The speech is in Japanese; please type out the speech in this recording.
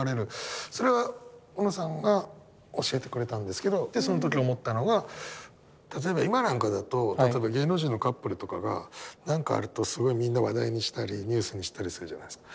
それは小野さんが教えてくれたんですけどその時思ったのが例えば今なんかだと例えば芸能人のカップルとかがなんかあるとすごいみんな話題にしたりニュースにしたりするじゃないですか。